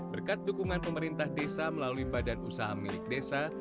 berkat dukungan pemerintah desa melalui badan usaha milik desa